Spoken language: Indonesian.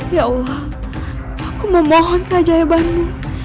ya allah aku memohon keajaibanmu